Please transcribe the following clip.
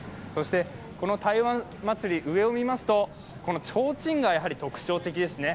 この台湾祭、上を見ますとちょうちんが特徴的ですね。